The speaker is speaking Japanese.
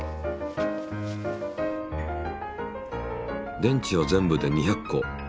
電池は全部で２００個。